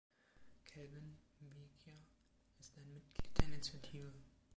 Kelvin Mwikya ist ein Mitglied der Initiative.